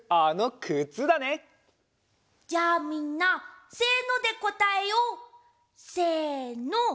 じゃあみんなせのでこたえよう！せの！